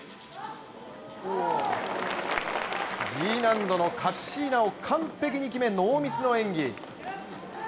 Ｇ難度のカッシーナを完璧に決め、ノーミスの演技。